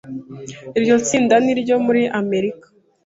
Iryo tsinda niryo muri Amerika,